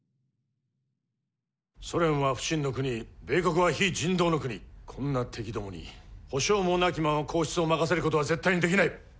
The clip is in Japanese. ソ連は不信の国米国は非人道の国こんな敵共に保証もなきまま皇室を委せることは絶対に出来ない！